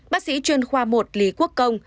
bác sĩ chuyên khoa một lý quốc công